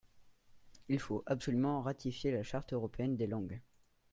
Il faut absolument ratifier la Charte européenne des langues.